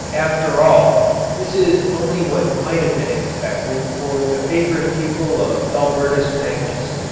After all, this is only what might have been expected of the favorite pupil of Albertus Magnus.